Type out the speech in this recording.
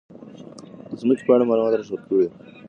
د ځمکې په اړه معلومات راټول کړئ.